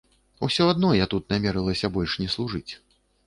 Усё адно я тут намерылася больш не служыць.